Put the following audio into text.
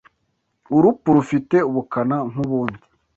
Urupfu rufite ubukana nkubundi